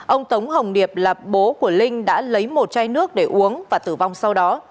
ông tống hồng điệp là bố của linh đã lấy một chai nước để uống và tử vong sau đó